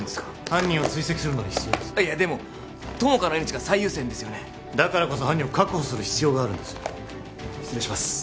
犯人を追跡するのに必要ですでも友果の命が最優先ですよねだからこそ犯人を確保する必要があるんです失礼します